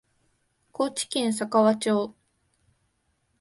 高知県佐川町